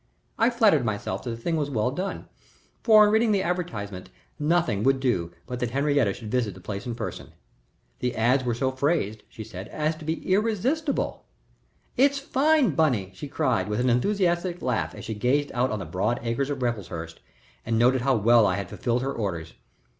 I flattered myself that the thing was well done, for on reading the advertisement nothing would do but that Henriette should visit the place in person. The ads were so phrased, she said, as to be irresistible. "It's fine, Bunny," she cried, with an enthusiastic laugh as she gazed out over the broad acres of Raffleshurst and noted how well I had fulfilled her orders.